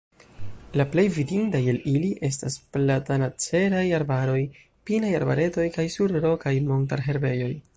La plej vidindaj el ili estas platanaceraj arbaroj, pinaj arbaretoj kaj surrokaj montarherbejoj.